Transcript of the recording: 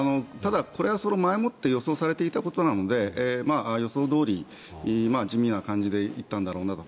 でもこれは前もって予想されていたことなので予想どおり、地味な感じで行ったんだろうなと。